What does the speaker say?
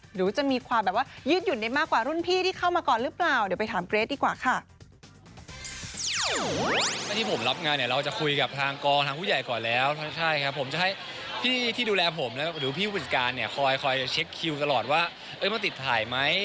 หรือจะมีความแบบว่ายืดหยุ่นได้มากกว่ารุ่นพี่ที่เข้ามาก่อนหรือเปล่า